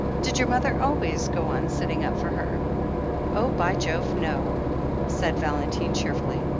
Did your mother always go on sitting up for her?" "Oh, by Jove, no !" said Valentine cheerfully.